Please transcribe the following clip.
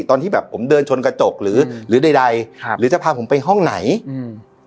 ตอนที่แบบผมเดินชนกระจกหรือหรือใดใดครับหรือจะพาผมไปห้องไหนอืม